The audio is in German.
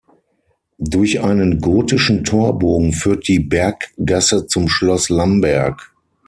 Durch einen gotischen Torbogen führt die Berggasse zum Schloss Lamberg.